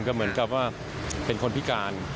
ก็เหมือนกับว่าเป็นคนพิการ